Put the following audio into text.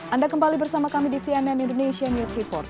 anda kembali bersama kami di cnn indonesia news report